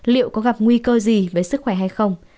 liệu có gặp nguy cơ gì với sức khỏe hay không